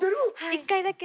一回だけ。